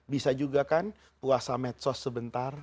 bisa juga kan puasa medsos sebentar